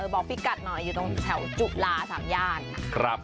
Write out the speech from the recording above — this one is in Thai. บอกพี่กัดหน่อยอยู่ตรงแถวจุฬา๓ย่าน